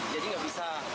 jadi tidak bisa